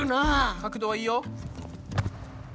角度はいいよ。